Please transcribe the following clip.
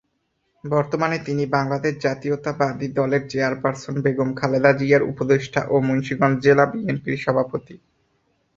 বর্তমানে তিনি বাংলাদেশ জাতীয়তাবাদী দলের চেয়ারপার্সন বেগম খালেদা জিয়ার উপদেষ্টা ও মুন্সিগঞ্জ জেলা বিএনপির সভাপতি।